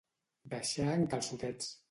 Deixar en calçotets.